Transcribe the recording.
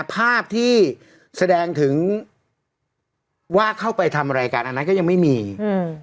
ภาพที่แสดงถึงว่าเข้าไปทำอะไรกันอันนั้นก็ยังไม่มีอืม